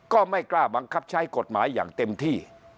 ก็ไม่กล้าบังคับใช้กฎหมายอย่างเต็มที่